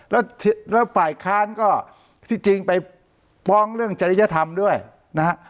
แล้วฝ่ายค้านก็ที่จริงไปฟ้องเรื่องจริยธรรมด้วยนะฮะ